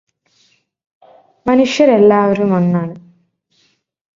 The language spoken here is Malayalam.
മനുഷ്യരെല്ലാവരും ഒന്നാണ്